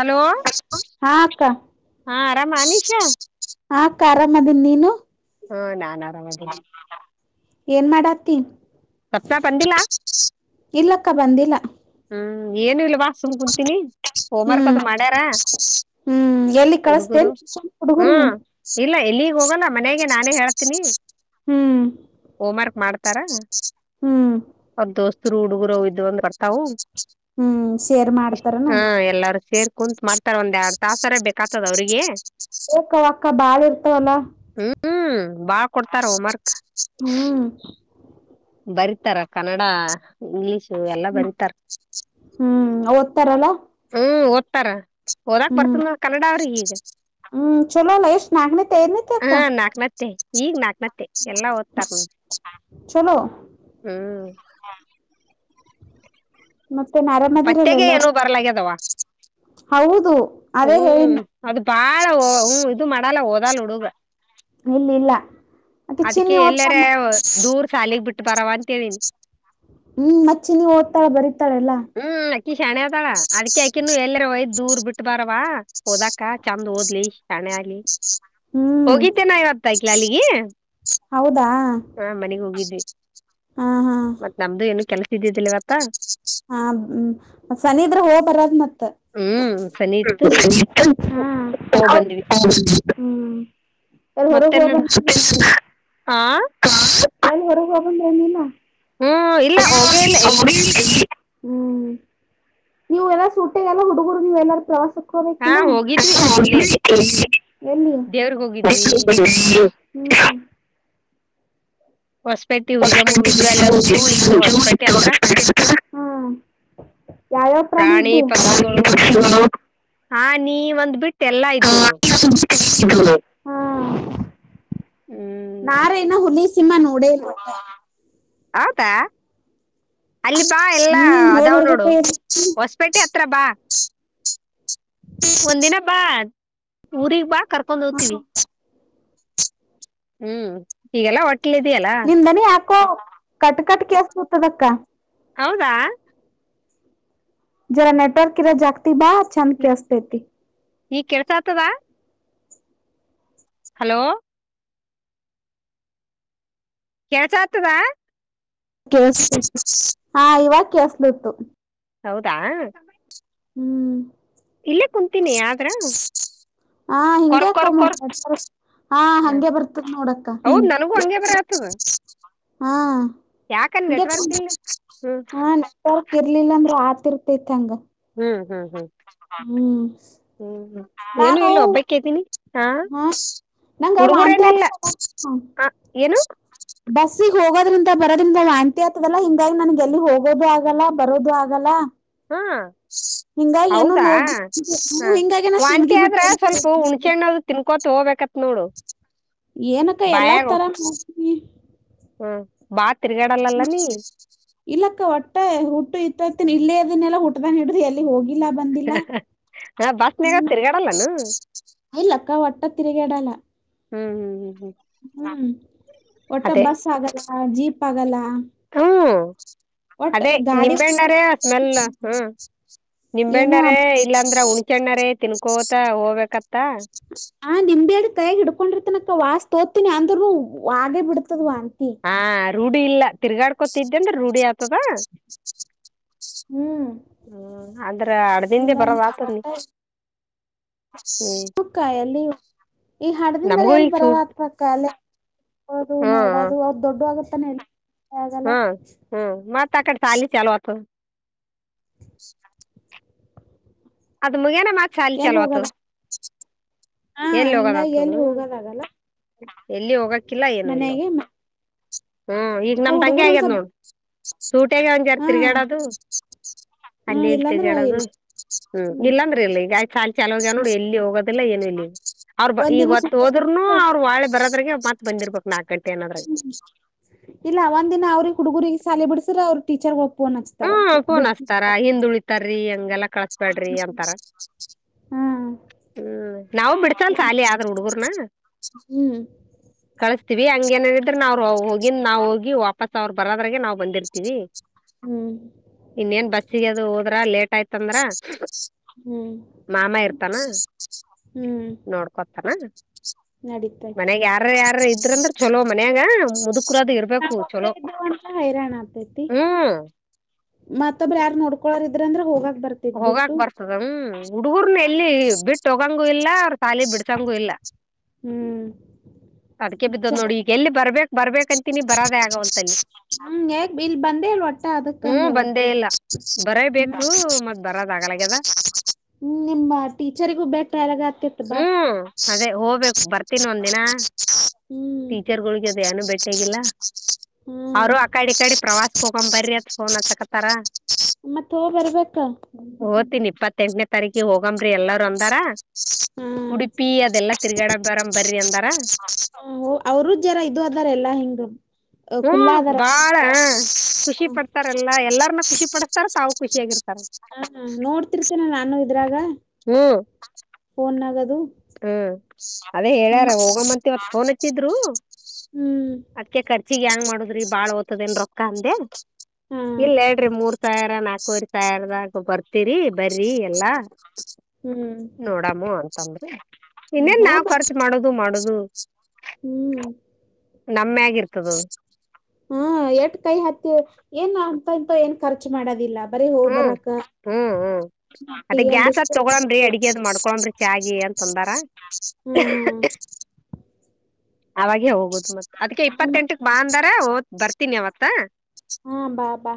Hello ಹಾ ಅಕ್ಕ ಹಾ ಆರಾಮ ಅನೀಶಾ ಆ ಅಕ್ಕ ಆರಾಮ ಅದೀನ್ ನೀನು ಹಾ ನಾನ್ ಆರಾಮದೇನಿ ಏನ್ ಮಾಡತಿ [unintelligible] ಇಲ್ಲಕ್ಕ ಬಂದಿಲ್ಲ ಹ್ಮ್ ಏನು ಇಲ್ವಾ ಸುಮ್ ಕುಂತೀನಿ ಹೋಮ್ವರ್ಕ್ ಹ್ಮ್ ಅದು ಮಾಡ್ಯಾರ ಹ್ಮ್ ಎಲ್ಲಿ ಹುಡುಗರು ಕಳಸ್ತೇನ್ ಟ್ಯೂಷನ್ ಹ್ಮ ಹುಡುಗರಿಗೆ ಇಲ್ಲ ಎಲ್ಲಿಗ್ ಹೋಗಲ್ಲ ಮನೆಗೆ ನಾನೇ ಹೇಳ್ತೀನಿ ಹ್ಮ್ ಹೋಮ್ ವರ್ಕ್ ಮಾಡ್ತಾರಾ ಹ್ಮ್ ಅವದ ದೋಸ್ತ ಹುಡುಗರು ಇದದು ಒಂದು ತಾವು ಹ್ಮ್ ಶೇರ್ ಮಾಡ್ತಾರನು ಹ ಎಲ್ಲಾರೂ ಸೇರ್ ಕುಂತ ಮಾಡ್ತಾರ ಒಂದ ಎರಡ ತಾಸರ ಬೇಕ. [unintelligible] ಸಾಕ ಅದ ಅವರಿಗೆ, [unintelligible] ಸೂಕ್ಕವ ಅಕ್ಕ ಬಾಳ ಇರ್ತವಲ್ಲ? [unintelligible] ಹ್ಮ್ ಬಾಳ್ ಕೊಡ್ತಾರ ಹೋಮ್ ವರ್ಕ್ ಹೂ [unintelligible] ಬರಿತಾರ ಕನ್ನಡ [unintelligible] ಇಂಗ್ಲಿಷು ಎಲ್ಲಾ ಬಂದತಾರ ಹ್ಮ್ ಓದ್ತಾರಲ್ಲ ಹ್ಮ್ ಓದತಾರ ಹಓದಾಕ್ ಹ್ಮ್ ಬರ್ತನ ಕನ್ನಡ ಅವ್ರ ಈಗ ಹ್ಮ್ ಚಲೋ ಅಲ್ಲ ಎಷ್ಟ್ ನಾಗನೇತೆ ದನೇತ್ಯ ಅಕ್ಕ ಹಾ ನಾಕ್ನತ್ತೆ ಈಗ್ ನಾಕ್ನತ್ತೆ ಎಲ್ಲಾ ಓದ್ತಾರ ನಮ್ ಹೊ ಹ್ಮ್ ಮತ್ತೆ ಆರಾಮದಿರಲ್ಲ ಪತ್ತೆಗೆ ಎಲ್ಲರು ಏನು ಬರ್ಲಾಗ್ಯದವ ಹೌದು ಅದೇ ಹ್ಮ್ ಹೇಳಿನ ಅದು ಬಾಳ ಹ್ಮ್ ಇದು ಮಾಡಲ್ಲ ಹಓದಲ್ ಹುಡುಗ ಇಲ್ಲ ಇಲ್ಲ ಮತ್ತೆ ಅದಕ್ಕೆ ಚಿನ್ನಿ ಎಲ್ಲಾರ ಓದ್ತಾಳ ದೂರ್ ಸಾಲಗ್ ಬಿಟ್ಟ ಬರವಂತಿವಿ ಹ್ಮ್ ಮಚ್ಚೆ ನೀವುಓಡ್ತಾ ಬರೀ ಹ್ಮ್ ಅಕ್ಕಿ ಶಣೆ ಅದಾಳ ಅದ್ಕ ಅಕಿನು ಎಲ್ಲರ ಒಯ್ ದೂರ್ ಬಿಟ್ಟ ಬಾರ ಪಾ ಓದಕ್ಕ ಚಂದ್ ಓದ್ಲಿ. [unintelligible] ಶ್ಯಾನೆ ಆಗಲಿ ಹ್ಮ್ ಹೋಗಿದ್ದೇ ನಾ ಯತ್ತಲ ಅಲ್ಲಿಗೆ, [unintelligible] ಹೌದಾ ಹಾ ಮನೆಗ್ ಹೋಗಿದ್ವಿ ಹಾ ಹಾ ಮತ್ತ ನಮ್ದು ಏನು ಕೆಲಸ ಇದಿದ್ದಿಲ್ಲ ಇವತ್ತ ತಾ [unintelligible] ಹಾ ಸನಿ ಇದ್ರ ಹೋಗ ಬರೋಗ ಮತ್ತ? ಹ್ಮ್ [unintelligible] ಸನಿ ಇತ್ತು ಹು ಹ ಹೋಗ್ ಬಂದ್ವಿ [unintelligible] [inaudible] ಹು ಹೊರಗ ಮತ್ತೇನ್ ಹೋಗ ಬಾ [unintelligible] ನಡ್ದ ಆ ಎಲ್ಲಿ ಹೋರೋಗಲ್ಲ ನೀನ್ [unintelligible] ಹೂ ಇಲ್ಲ ಹೋಗೇ ಇಲ್ಲ ಎಲ್ಲಿ? [unintelligible] ಹೂ ನೀವು ಎಲ್ಲಾ ಸೂಟ್ಟೆಗೆಲ್ಲ ಹುಡುಗರು ನೀ ಎಲ್ಲಾರು ಪ್ರವಾಸ [unintelligible] ಹೊರಗ ಹಾ ಹೋಗಿದ್ವಿ ಇಲ್ಲೇ ಹೋಕೀ ಯಾನ್ [inaudible] ಎಲ್ಲಿ? ದೇವ್ರಗ್ ಹೋಗಿದ್ವಿ [unintelligible] [inaudible] [unintelligible] ಹೊಸಪೇಟೆ ಹುಲಿಗೆಮ್ಮ ಹೋಗಿದ್ವಿ [unintelligible] [inaudible] ಹೂ ಅಲ್ಲೊಂದ್ ಜೂ ಇತ್ತು ಹೊಸಪೇಟೆ ಹತ್ರ ಯಾವ್ಯಾವ ಪ್ರಾಣಿ ಇದ್ದು. [inaudible] [unintelligible] ಹಾ ನೀ ಒಂದ್ ಬಿಟ್ಟ ಎಲ್ಲಾ ಇದ್ದು ನೋಡ [unintelligible] ಹಾ ಹ್ಮ್ ನಾರೇ ಏನ್ ಹುನವಿ [unintelligible] ಸಿನಿಮಾ ನೋಡೇಲ್ಲ? [unintelligible] ಹೌದಾ? [unintelligible] ಅಲ್ಲಿ ಬಾ ಎಲ್ಲಾ ಹ್ಮ್ ಹೋಗ್ ಅದಾವ್ ನೋಡು ಬರ್ಬೇಕೇ ಹೊಸಪೇಟೆ ಹತ್ರ ಬಾ. [unintelligible] ಒಂದ್ ದಿನ ಬಾ ಊರಿಗ್ ಬಾ ಕರ್ಕೊಂದ ಹೋಗ್ತಿವಿ. [unintelligible] [unintelligible] ಹೂ ಈಗೆಲ್ಲಾ ಹೊಟ್ಟಿಲೇ ಅದಿ ಅಲ್ಲಾ? [unintelligible] ಕೂ ಕಟ್ ಕಟ್ ಹೇಳಸತ್ತದ ಅಕ್ಕ. [unintelligible] ಹೌದಾ? [unintelligible] ಜರಾ ನೆಟ್ವರ್ಕ್ ಇರೋ ಜಾಗಗ್ತಿ ಬಾ ಚಂದ್ ನ- ಕೇಳಸ್ತೇತಿ. [unintelligible] ಈಗ ಕೇಳಸಾತದ [unintelligible] ಹಲೋ? ಕೇಳಸಾತದ? ಕೇಳಸತೈತಿ ಹಾ ಇವಾಗ ಕೇಳಸತಿತ್ತು. [unintelligible] ಹೌದಾ? [unintelligible] ಹು [unintelligible] ಇಲ್ಲೇ ಕುಂತೀನಿ ಆದರಾ? [unintelligible] ಹಾ ಹಿಂಗ್ಯಾಕ ಮತ್ತ ಸರಸ [unintelligible] ಹಾ ಹಂಗೆ ಬರ್ತತ ನೋಡಕ್ಕ ಹೌದ್ ಹಿಂಗ ನನಗೂ ಹಂಗೆ ಬರ ಆತದ [inaudible] ಹಾ [unintelligible] ಯಾಕನ್ ಹಂಗ್ಯಾಕ್ ನೆಟ್ವರ್ಕ್ ಕುಂತಿ ಇಲ್ಲ ಹ್ಮ್ ಹ ನಂತವಕ ಇರ್ಲಿಲ್ಲ ಅಂದ್ರ ಆರ್ಥಿತ ಹಂಗ [unintelligible] ಹು ಹು ಹ [unintelligible] ಹೂ ಏನು ನಾನು ಇಲ್ಲ ಒಬ್ಬಕ್ಕೆ ಇದ್ದೀನಿ [unintelligible] ಹಾ ನಂಗ ಹುಡುಗುರೇನಿಲ್ಲ [unintelligible] ಹ ಏನು ಬಸ್ಸಿಗೆ ಹೋಗೋದ್ರಿಂದ ಬರೋದ್ರಿಂದ ವಾಂತಿ ಆಗ್ತದಲ್ಲಾ ಹಿಂಗಾಗಿ ನನ್ಗೆ ಎಲ್ಲಿ ಹೋಗೋದು ಆಗಲ್ಲ ಬರೋದು ಆಗಲ್ಲ ಹಾ [unintelligible] ಹಿಂಗಾಗಿ ಏನು ಹೌದಾ ನೋಡ್ ಹ ಹಿಂಗಾಗಿ ನಾ ವಾಂತಿ ಸಿಂದಗಿ ಆದ್ರ ಬಿಟ್ಟೆ ಸ್ವಲ್ಪ ಹುಂಸೆ ಹಣ್ಣದು ತಿನ್ಕೋ [unintelligible] ತೋಗಬೇಕ ಅತ [unintelligible] ಏನಕ್ಕ ಎಲ್ಲಾ ತರನೂ [unintelligible] ಹ [unintelligible] ಇಲ್ಲಕ್ಕ ವಟ್ಟ ಹುಟ್ಟು ಇತ್ತ ಇತನ ಇಲ್ಲೇ ಅದನ್ನೆಲ್ಲ ಹುಟದ ಹಿಡಿದ್ರಿ ಎ [unintelligible] ನೀವು ಹೋಗಿಲ್ಲ ಬಂದಿಲ್ಲ? ಹ ಬಸ್ನಾಗ [unintelligible] ತಿರ್ಗಾಡಲ್ಲಾನ ಹೂ ಇಲ್ಲಕ್ಕ ಒಟ್ಟ ತಿರಗೇಡಲ್ಲ? [unintelligible] ಹ್ಮ್ ಹ್ಮ್ ಹ್ಮ್ ಹ್ಮ್ ಹ್ಮ್ ಒಟ್ಟ ಅದೇ ಬಸ್ ಆಗಲ್ಲ ಜೀಪ್ ಆಗಲ್ಲ ಹ್ಮ್ ಒಟ್ಟ ಅದೇ ಗಾಡಿ ನಿಂಬೆಣ್ಣರ ಬಿಟ್ಟ ಸ್ಮೆಲ್ ಹ್ಮ ಏನು ನಿಂಬಣ್ಣರೇ ಇಲ್ಲಾಂದ್ರ ಹುಣಚೆಣ್ಣರೇ ತಿನ್ಕೋತ ಹೋಗ್ಬೇಕತ್ತ ಆ ನಿಂಬೆಳಳ ಕೈಗ ಹಿಡ್ಕೊಂಡಿರ್ತನಕ್ಕ ವಾಸ್ ತೋತಿನಿ ಅಂದ್ರುೂ ಹಾಗೆ ಬಿಡ್ತಾಇದೆ ವಾಂತಿ ಹಾ ರೂಢಿ ಇಲ್ಲ ತಿರ್ಗಾಡ್ಕೋತಿದ್ದ ಅಂದ್ರ ರೂಢಿ ಆತದ ಹ್ಮ್ ಅ್ರ ಡ್ ದನ್ಗೆ ಬರ ವತ ನೀ ಹ್ಮ್ ಸುಖ ಎಲ್ಲಿ ಈ ಹಡದಿಂದ ನಮಗೂ ಎಲ್ಲಿ ಈಗ ಬರೋದ ಸೂಟ್ ಆತ ಕಾಲ ಹೌದು ನೋಡ ಅದು ಅವ ದೊಡ್ಡ ಆಗತ್ತಾನೆ ಹ್ಮ ಹ್ಮ್ ಮತ್ತ ಅಕ್ಕಡೆ ಶಾಲಿ ಚಲವತ [inaudible] ಅದ್ ಮುಗೇನ ಮತ್ಲ ಎಲ್ಲಿ ಚಲ್ವಾತ ಹೋಗದ ಹಾ ಎಲ್ಲಿ ಹಿಂಗಾಗಿ ಹೋಗದತ ಎಲ್ಲಿ ಹೋಗೋದಾಗಲ್ಲ ಎಲ್ಲಿ ಹೋಗಕಿಲ್ಲ ಏನು ಇಲ್ಲೋ ಮನ್ಯಾಗೆ ಹ್ಮ್ ಈಗ ಅವ್ ನಮ್ದಂಗೆ ಹುಡುಗರು ಒಂದ್ ಆಗ್ಯದ ಸ್ವಲ್ಪ ನೋಡಿ ಸೂಟೇಗಂ ಜಾರ ಹಾ ತಿರ್ಗಾಡ ಅದು ಹಾ ಅಲ್ಲಿ ಇಲ್ ಇಲ್ಲಾಂದ್ರ ತೆಗಡದು ಇಲ್ಲ ಹ್ಮ್ ಇಲ್ಲಾಂದ್ರಿ ಇಲ್ಲ ಈಗ ಚಾ ಚಲ್ಯ ನೋಡಿ ಎಲ್ಲಿ ಹೋಗದ [unintelligible] ಅವ್ರ ಬ ಈಗ ಒಂದಿನ ಹೊತ್ತತ್ತು ಹೋದ್ನು ಸುಟ್ಟ ಅವ್ ಒಳೆ ಬರೋರೆ ಮತ್ ಬಂದಿರ್ಬೇಕಕ್ ನಾಲ್ಕಕ್ ಗಂಟೆ ಏನಾದ್ರ ಇಲ್ಲ ಒಂದ ದಿನ ಅವ್ರಿಗೆ ಹುಡುಗರಿಗೆ ಸಾಲಿ ಬಿಡಿಸಸ್ರೆ ಅವ್ರರು ಟೀಚರ್ ಹೋಗ್ ಫೋನ್ ಹಚ್ಚು ಹ್ಮ ಕೋನ್ಸ್ತಾರ ಹಿಂದು ಉಳಿತಾರೀ ಹಂಗಲ್ಲ ಹ್ಮ್ ಹ್ಮ್ ನಾವವು ಬಿಡ್ತಲ್ ಸಾಲಿ ಆದ್ರ ಹುಡುಗರ್ನ ಹ್ಮ್ ಕಳಸ್ತೀವಿ ಹಂಗ ಏನಿದ್ರ ನ್ ಹೋಗಿಂದ ನಾವವು ಹೋಗಿ ವಾಪಾಸ್ ಅವ್ರು ಬರದ್ರಾಗೆ ನಾವ್ ಬಂದಿರ್ತೀವಿ ಹ್ಮ್. ಇನ್ನ ನ್ ಬಸ್ಸಿಗೆ ಅದು ಹೋದ್ರ ಲೇಟ್ ಯ್ತಂದ್ರ ಹ್ಮ್ ಮಾಮ ಇರ್ತಾನ ಹ್ಮ್ ನೋಡ್ಕೊತಾನ ನಡೀತೈತಿ ಮನೆಗ್ ಯಾರ ಯಾರ ಇದ್ರಂದ್ರ ಚಲೋ ಮನ ಏನ ಮುದುಕರದು ಇರ್ಬೇಕು ನಾವ್ ಒಬ್ರೇ ಚಲೋ ಇದ್ವು ಅಂದ್ರ ಹೈರಾಣ ಆತೈತಿ ಹ್ಮ್ ಅ ಅ್ರ ಹೋಗಾಗ ಹೋಗಾಕ್ ಬರ್ತದ್ಮ ಹುಡುಗರ್ನ ಎಲ್ಲಿ ಬಿಟ್ಟ ಹೋಗಂಗ ಇಲ್ಲ ಸಾಲಿ ಬಿಡ್ಸಂಗು ಇಲ್ಲ ಹ್ಮ್ ಅದಕೆ ಬಿದ್ದ ನೋಡಿ ಈಗ ಎಲ್ಲಿ ಬರ್ಬೇಕು ಬರ್ಬೇಕಂತನಿ ಬರದೇ ಆಗ ಒಂತಲ್ಲಿ ಹ ಹಗ್ ಇಲ್ ಬಂದೇ ಇ ಒಟ್ಟ ಹ್ಮ್ ಅದಕ್ಕಂದ ಒಟ್ಟ ಬಂದೇ ಹ್ಮ ಬರದ ಆಗಲಗ್ಯದ ಹ್ಮ್ ನಿಮ್ಮ ಟೀಚರಿಗೂ ಬೇಕ ಯಾರಾಗ ಆತಿತ್ತ ಬಾ ಹ್ಮ್ ಅದೇ [unintelligible] ಹ್ಮ್ ಟೀಚರ್ಗಳಗೆ ಅದ ಟ್ಟೇಗಿಲ್ಲ ಹ್ಮ್ ಅವರುೂ ಅ ಕಡಿ ಕಡೆ ಪ್ರವಾಸಗೋಗೊಂಬರ್ರಿ ಅತ್ ಫೋನ್ ಅಚ್ಚಕಥರ ಮತ್ತ ಹ ಬರ್ಬೇಕ ಓ್ತನಿ ಇಪ್ಪತ್ತೆಂಟನೇ ತಾರೀಕಿಗೆ ಹೋಗಂಬ್ರಿ ಎಲ್ಲಾರ ಅಂದಾರ ಹ್ಮ್ ಉಡುಪಿ ಅದೆಲ್ಲಾ ತಿರ್ಗಡ ಬರ ಬರ್ರಿ ಅಂದಾರ ಹ ಅವರು ಜರ ಇದು ಅದಾರ ಹ್ಮ್ ಕುಲ್ಲಾದರ ಬಾಳ ಖುಷಿ ಪಡ್ತಾರೆ ಎಲ್ಲ ಎಲ್ಲರನ್ನ ಖುಷಿ ಪಡಸ್ತಾರ ತಾವು ಖುಷಿಯಾಗಿರ್ತ ಹ ನೋಡ್ತಿರ್ತೇನೆ ನಾನು ಇದ್ರಾಗ ಹ್ಮ್ ಫೋನ್ ಆಗ ಹ್ಮ ಅದೇ ಹೇಳ್ಯಾರ ಹೋಗಮ್ಮಂತವತ್ತು ಫೋನ್ ಹಚ್ಚಿದ್ರು ಹ್ಮ್ ಅದ್ಕ ಖರ್ಚಿಗೆ ಹೆಂಗ್ ಮಾಡುದ್ರಿ ಬಾಳ್ ಓ್ತದೇಏನ್ ರೊಕ್ಕ ಅಂದೆ ಹಾ ಇಲ್ಲ ಹೇಳ್ರಿ ಮೂರ್ ಸಾವಿರ ನಾಲ್ಕವರ್ ಸಾವಿರದಾಗ ಬರ್ತ ತರಿ ಬರ್ರಿ ಎಲ್ಲಾ ಹ್ಮ್ ನೋಡಾಮ ಅಂತಂದ್ರಿ ಇನ್ನೇನ್ ನಾವ್ ಹೋಬ ಖರ್ಚು ಮಾಡದು ಮಾಡದು ಹ್ಮ್ ಕಮ್ಮಿ ಆಗಿರ್ತದ ಹ್ಮ ಎಟ್ ಕೈ ಹತ್ತಿ ಏನ್ ಅಂತ ಅಂತ ಏನ್ ಖರ್ಚು ಮಾಡೋದಿಲ್ಲ ಬರೀ ಹೋಗ್ ಹ್ಮ್ ಬರಾಕ್ಕ ಹ್ಮ್ ಹ್ಮ್ ಅದ ಮಟ್ಟಿಗೆ ಗ್ಯಾಸ್ ಒಂದಿಷ್ಟ ಅದ್ ತಗೊಳಮ್ರಿ ಅಡಿಗೆ ಅದ್ ಮಾಡ್ಕೊಳಮ್ರಿ ಚಾಗಿ ಅಂತ ಅಂದಾರ ಹ್ಮ್ ಹ್ಮ್ ಅವಾಗ ಹೋಗುದು ಮತ್ತ ಅದಕ್ಕೆ ಹ್ಮ್ ಇಪ್ಪತ್ತ ಎಂಟಕ್ ಬಾ ಅಂದಾರ ಹದ ಬರ್ತೀನಿ ಅವತ್ತ ಹಾ ಬಾ ಬಾ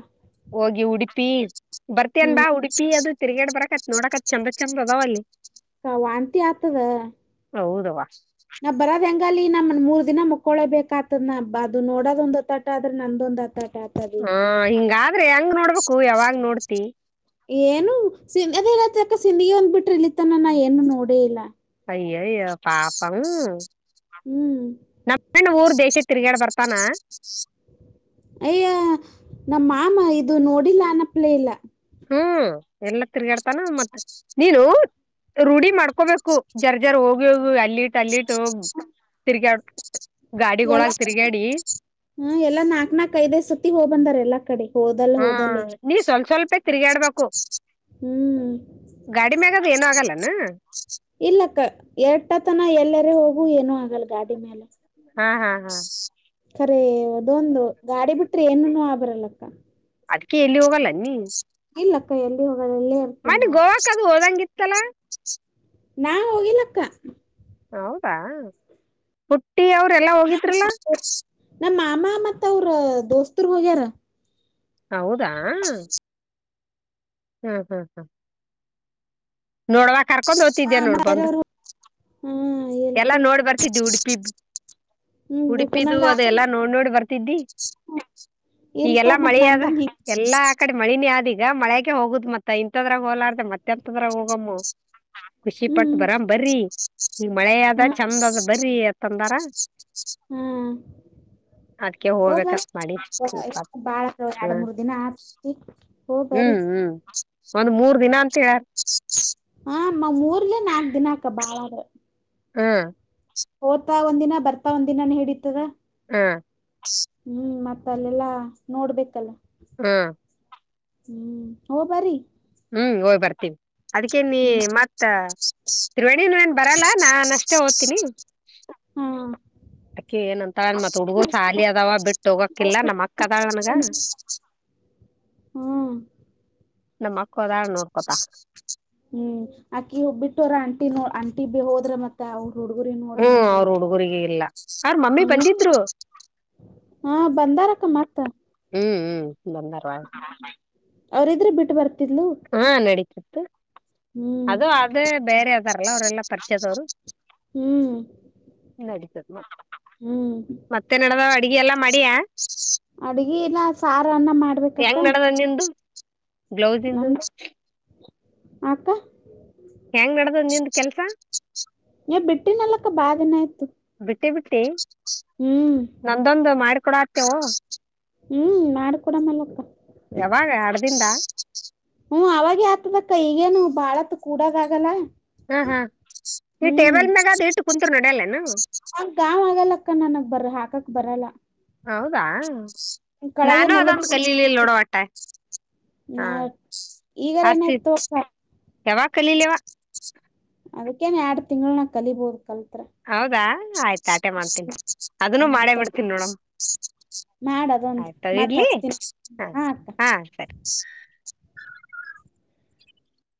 ಹೋಗಿ ಉಡುಪ ಬರ್ತ ಅನ್ ಬ ಹ್ಮ್ ಉಡುಪಿ ಅದು ತಿರ್ಗೇಡ್ ಬರಕತ್ ನೋಡಕತ್ ಚಂದ ಚಂದ ಅದಾವ ಅಲ್ಲಿ ಹೌದವ್ವ [unintelligible] ನಾವ್ ಬರೋದ ಹೆಂಗ ಅ ನಮ್ಮ ಮೂರ್ ದಿನ ಮುಕ್ಕೊಳೇಬೇಕ ಆತದ ನ ಅದು ನೋಡೋದ ಒಂದ್ ತಾಟ ಆದ್ರೆ ನಂದೊಂದ್ ಆತಾಟ ಹಾ ಹಿಂಗಾದ್ರೆ ಹೆಂಗ ನೋಡ್ಬೇಕು ಯಾವಾಗ ನೋಡ್ತಿ ಏನು ಅದೇ ಅಕ್ಕ ಸಿಂದಿಗೆ ಒಂದ್ ಬಿಟ್ರ ಇಲತ್ತನ ನಾ ಏನು ನೋಡೇ ಇಲ್ಲ ಅಯ್ಯೋ ಅಯ್ಯ ಪಾಪಂ ಹ್ಮ್ ನಮ್ಮ ಊರ್ ದೇಶ ತಿರುಗಾಡ ಬರ್ ಪ್ಪಾನ ಅಯ್ಯ ನಮ್ಮ ಮಾಮ ಇದು ನೋಡಿಲ್ಲ ಅನಪ್ಲೇ ಇಲ್ಲ ಹ್ಮ್ ಎಲ್ಲಾ ತಿರ್ಗಾಡ್ತಾನ ಮತ್ತ ನೀನು ರೂಢಿ ಮಾಡ್ಕೊ ಹಕೋಬೇಕು ಜರ್ ಜರ್ ಹೋಗಿ ಹೋಗು ಅಲ್ಲಿ ತಲ್ಲಿಟ್ಟು ತಿರ್ಗಾ ಗಾಡಿಗೊಳಗ ಎಲ್ಲಾ ತಿರ್ಗಾಡಿ ಹ್ಮ್ ಎಲ್ಲಾ ನಾಕಕ್ ನಾಕಕ್ ಐದೈ್ ಸತಿ ಹೋಗ್ ಬಂದಾರ ಎಲ್ಲಾ ಕಡೆ ಹೋದಲ್ ಹಾ ಹೋದಲ್ಲಿ ನೀ ಸ್ವಲ್ಪ ಸ್ವಲ್ಪೇ ತಿರುಗಾಡ್ಬೇಕು ಹ್ಮ್ ಗಾಡಿ ಮ್ಯಾಗದು ಏನ ಆಗಲ್ಲಾನ ಇಲ್ಲಕ್ಕ ಎರಟತನ ಎಲ್ಲರ ಹೋಗು ಏನೂ ಆಗಲ್ ಗಾಡಿ ಮೇಾಲ ಹಾ ಹಾ ಹಾ ಖರ ಅದೊಂದು ಗಾಡಿ ಬಿಟ್ರೆ ಏನು ಆ ಬರಲ್ಲ ಅದ್ಕ ಎಲ್ಲಿ ಹೋಗಲ್ಲ ನೀ ಇಲ್ಲಕ್ಕ ಎಲ್ಲಿ ಹೋಗಲ್ಲ ಎಲ್ಲೇ ಇರ್ತನಿ ಮನ್ನಿ ನೋಡ ಗೋವಾಕ್ ಅದು ಹೋದಂಗಿತ್ತಲ್ಲ ನಾ ಹೋಗಲಕ್ಕ ಹೌದಾ ಅವ್ರೆಲ್ಲಾ ಹೋಗಿದ್ರಲ್ಲ ನಮ್ಮ ಮಾಮ ಮತ್ತ ಅವ್ರ ದೋಸ್ತರು ಹೋಗ್ಯಾರ ಹೌದಾ ಹ್ಮ್ ಹ್ಮ್ ಹ್ಮ್ ನೋಡ್ವಾಕ್ ಕರ್ಕೊಂಡ್ ಹಾ ಓತಿದೇ ನೋಡ್ ಮತ್ ಬಂದ ಬೇರೆವ್ರು ಹ್ಮ್ ಇಲ್ ಎಲ್ಲ ತೊ ನೋಡ್ ಬರ್ತಿದ್ದಿ ಉಡುಪಿ ಹ್ಮ್ ಉಡುಪಿದು ನಂಗ ಅದೆ ಎಲ್ಲಾ ನೋಡ್ ನೋಡಿ ಬರ್ತಿದ್ದಿ ಇಲ್ ತೊ ಈಗೆಲ್ಲಾ ಮತ್ ಮಳೆ ಆದ ನಂದೊಂದ್ ಹಿಂಗ್ ಎಲ್ಲಾ ಆ ಕಡೆ ಮಳನೇ ಆದಿ ಈಗ ಮಳೆೆಗೆ ಹೋಗುದು ಮತ್ತ ಇಂಂತದ್ರಾಗ ಹೋಲಾರ್ದ ಮತ್ತೆರಾಗ ಹಮ್ಮ ಖುಷಿ ಪಟ್ಟ ಹ್ಮ್ ಬರಾಮ ಬರ್ರಿ ಈಗ ಮಳೆದ ಹಾ ಚಂದ ಅದ ಬರೀ ಅತ್ತಂದಾರ ಹ್ಮ್ ಅದ್ಕೆ ಹಓ ಬರ ಹೋಗ್ಬೇಕತ್ ಮಾಡಿನ್ ಇಪ್ಪತ್ ಬಾಳ ಎರಡು ಮೂರ್ ದಿನ ಆಗ್ತಿ ಹ ಬರ ಹ್ಮ್ ಹ್ಮ್ ಒಂದ್ ಮೂರ್ ದಿನ ಅಂತ ಹೇಳಾರ ಹಮ್ಮ ಮೂಊರ್ಲೆ ನಾಕ್ ದಿನ ಅಕ್ಕ ಬಾಳ ಹ್ಮ ಓ್ತಾ ಒಂದಿನ ಬರ್ತಾ ಒಂದ ದಿನಾನ ಹಿಡಿತದ ಹ್ಮ ಹ್ಮ್ ಮತ್ತ ಅಲ್ಲೆಲ್ಲಾ ನೋಡ್ಬೇಕಲ್ಲ ಹಾ ಹ್ಮ್ ಹ ಬರಿ ಹ್ಮ್ ಹೋಗಯ್ ಬರ್ತೀವಿ ಅದಕೇ ನೀ ಹ್ಮ್ ಮತ್ತ ತ್ರಿವೇಣಿವೇನ್ ಬರಲ್ಲ ನಾನ್ ಅಷ್ಟೇ ಓದ್ತೀನಿ ಹಾ ಅಳ ಮತ್ ಹುಡ್ಗರ್ ಸಾಲಿ ಅದಾವ ಬಿಟ್ಟ ಹೋಗಕಿಲ್ಲ ನಮ್ಮ ಅಕ್ಕ ಅದಾಳ ನನ್ಗ ಹಾ ಕೊದ ನೋರ್ ಕೊತಾ ಹ್ಮ್ ಆಕ್ಕಿ ಒೋಗಬ್ಬಿಟ್ಟೋರ ಆಂಟಿ ನೋ ಆಂಟಿ ಬಿ ಹೋದ್ರ ಮತ್ತೆ ಅವ್ರು ಹ್ಮ ಅವ್ರ ಹುಡುಗರಿಗೆ ಇಲ್ಲ ಅವ್ರ ಮಮ್ಮಿ ಹ್ಮ್ ಬಂದಿದ್ರು ಹಾ ಬಂದಾರಕ್ಕ ಮತ್ತ ಬಂದರ್ವಾ ಅವ್ರ ಇದ್ರೆ ಬಿಟ್ಟ ಬರ್ತಾರೆ ಹಾ ನಡೀತಿತ್ತು ಹ್ಮ್ ಅದು ಅದೇ ಬೇರೆ ಅದಾರಲ್ಲ ಅವರೆೆಲ್ಲಾ ಪರಿಚದವ್ರು ಹ್ಮ್ ನಡೀತದ ಹ್ಮ್ ಮತ್ತೆ ನಡದಾವ ಅಡ್ಗೆ ಎಲ್ಲಾ ಮಾಡಿಯ ಅಡ್ಗಿನ ಸಾರನ್ನ ಮಾಡ್ಬೇಕಕ್ಕ ಗ್ಲೋಸ್ ಇಂದು ಆಕ್ಕ ಹೆಂಗ್ ನಡ್ ದದು ನಿಂದು ಕೆಲ್ಸ ಬಿಟ್ಟಿನಲ್ಲಕ್ಕ ಬಾನ ಆಯ್ತು ಬಿಟ್ಟಿ ಬಿಟ್ಟಿ ಹ್ಮ್ ನಂದೊಂದು ಮಾಡ್ಕ ಕಡ ಆತೇವು ಹ್ಮ್ ಮಾಡ್ಕೊಡಮಲ್ಲಕ್ಕ ಯಾವಾಗ ಅಡ್ದಿಂದ ಹ್ಮ ಅವಾಗ ಆತದ ಅಕ್ಕ ಈಗೇನು ಬಾಳತ್ ಕೂಡಾಗ ಆಗಲ್ಲ ಹಾ ಹಾ ಈ ಹ್ಮ್ ಟೇಬಲ್ ಮ್ಯಾಗ ಅದ ಇಟ್ಟು ಕುಂತ್ರು ನಡ್ಯಲ್ಲೇನು ಆ ಗಾಮ್ ಆಗಲ್ಲಕ್ಕ ನನಗ್ ಬರ ಹಾಕಕ್ ಬರಲ್ಲ ಹೌದಾ ಕೆಳಗೆ ನಾನು ಅದೊಂದು ಕಲೀಲೀಲಾ ನೋಡವಟ ಹ ಈಗರ ಏನಾಯ್ತು ಯಾವಗ ಕಲೀಲೇವಾ ಅದಕ್ಕೇನ್ ಎರಡ್ ತಿಂಗಳುಳ ನಾ ಕಲಿಬೋುದು ಕಲ್ಪ ಹೌದಾ ಆಯ್ತ ಆಟೆ ಮಾಡ್ತೀನಿ ಅದನ್ನು ಹ್ಮ ಮಾಡೇ ಆಯ್ತ ಬಿಡ್ತನಿ ನೋಡಮ ಮಾಡ ಅದೊಂದು ಆಯ್ತಾವ ಮತ್ ಇಡ್ಲಿ ಹಚ್ತೀನಿ ಹ ಹಾ ಸರಿ